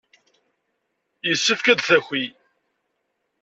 Yessefk ad d-taki.